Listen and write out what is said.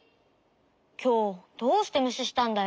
きょうどうしてむししたんだよ？